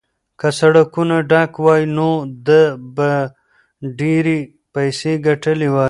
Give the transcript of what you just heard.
که سړکونه ډک وای نو ده به ډېرې پیسې ګټلې وای.